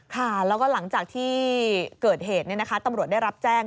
ค่ะแล้วก็หลังจากที่เกิดเหตุตำรวจได้รับแจ้ง